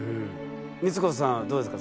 光子さんはどうですか？